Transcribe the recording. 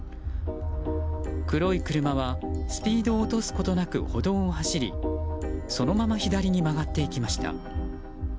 黒い車はスピードを落とすことなく歩道を走りそのまま左に曲がっていきました。